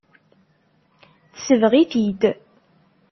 Tesbeɣ-it-id.